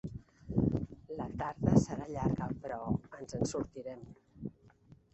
La tarda serà llarga, però ens en sortirem!